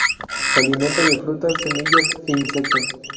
Se alimenta de frutas, semillas e insectos.